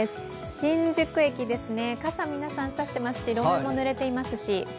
新宿駅ですね、傘、皆さん差していますし路面もぬれていますし。